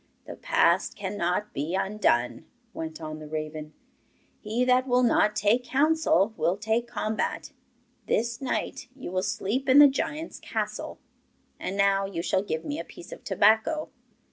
'The past cannot be undone,' went on the raven. 'He that will not take counsel will take combat. This night, you will sleep in the giant's castle. And now you shall give me a piece of tobacco.